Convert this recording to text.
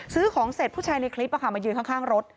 ซื้อของเสร็จผู้ชายในคลิปมายืนข้างรถ